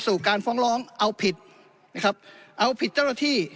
สู่การฟ้องร้องเอาผิดนะครับเอาผิดเจ้าหน้าที่